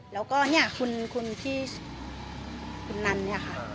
แล้วก็เนี่ยคุณพี่คุณนันเนี่ยค่ะ